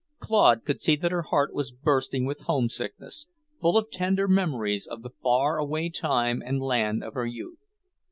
Claude could see that her heart was bursting with homesickness, full of tender memories of the far away time and land of her youth.